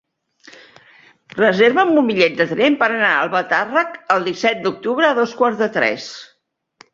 Reserva'm un bitllet de tren per anar a Albatàrrec el disset d'octubre a dos quarts de tres.